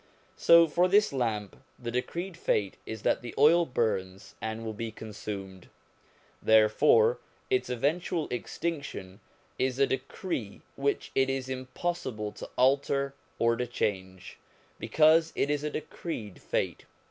So, for this lamp, the decreed fate is that the oil burns, and will be consumed; therefore its eventual extinction is a decree which it is impossible to alter or to change, because it is a decreed fate.